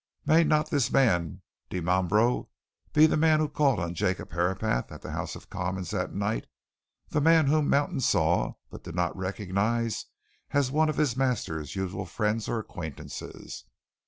May not this man Dimambro be the man who called on Jacob Herapath at the House of Commons that night the man whom Mountain saw, but did not recognize as one of his master's usual friends or acquaintances?